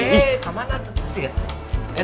eh kemana tuh